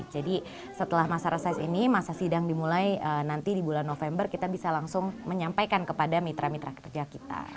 jadi setelah masa reses ini masa sidang dimulai nanti di bulan november kita bisa langsung menyampaikan kepada mitra mitra kerja kita